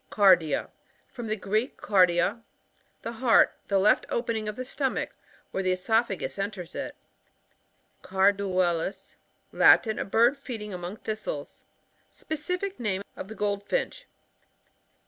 Cardia. — From the Greek, kardia, the heart The left opening of the stomach, where the oesophagus enters it. Carduelis — Latin. A bird feeding among thistles. Specific name of the Goldfinch.